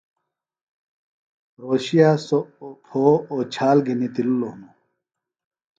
رھوشِیہ سوۡ پھو اوچال گھِنیۡ تِللوۡ ہنوۡ